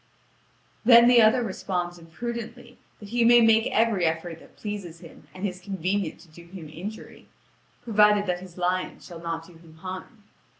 Then the other responds imprudently that he may make every effort that pleases him and is convenient to do him injury, provided that his lion shall not do him harm.